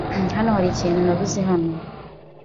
Hano hari ikintu nabuze hano?